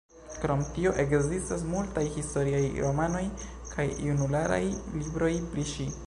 Krom tio ekzistas multaj historiaj romanoj kaj junularaj libroj pri ŝi.